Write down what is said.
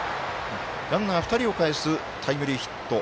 ランナー２人をかえすタイムリーヒット。